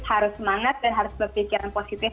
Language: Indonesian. harus semangat dan harus berpikiran positif